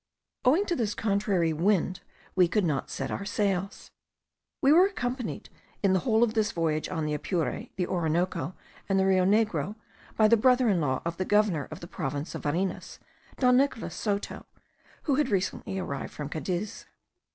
Owing to this contrary wind we could not set our sails. We were accompanied, in the whole of this voyage on the Apure, the Orinoco, and the Rio Negro, by the brother in law of the governor of the province of Varinas, Don Nicolas Soto, who had recently arrived from Cadiz.